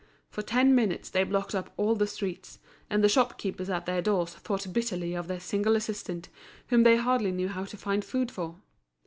For ten minutes they blocked up all the streets; and the shopkeepers at their doors thought bitterly of their single assistant, whom they hardly knew how to find food for.